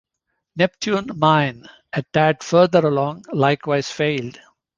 Neptune Mine, a tad further along, likewise failed.